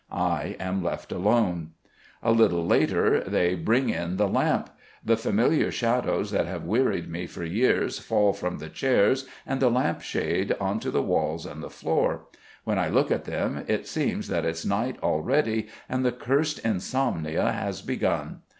I am left alone. A little later they bring in the lamp. The familiar shadows that have wearied me for years fall from the chairs and the lamp shade on to the walls and the floor. When I look at them it seems that it's night already, and the cursed insomnia has begun.